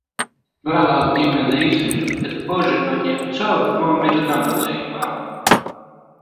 Vēlāk ģimene izira, bet Božena Ņemcova nomira nabadzībā.